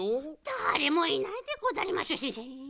だれもいないでござりますししん。